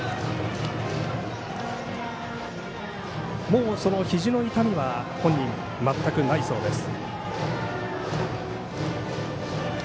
もう、ひじの痛みは本人、全くないそうです。